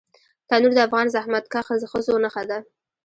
تنور د افغان زحمتکښ ښځو نښه ده